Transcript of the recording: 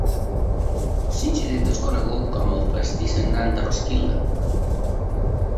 L'incident és conegut com el Festí sagnant de Roskilde.